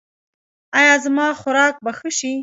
ایا زما خوراک به ښه شي؟